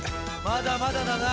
まだまだだな。